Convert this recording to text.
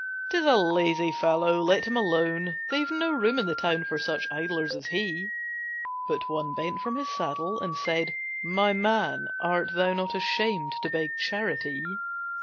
"'T is a lazy fellow, let him alone, They've no room in the town for such idlers as he." But one bent from his saddle and said, "My man, Art thou not ashamed to beg charity!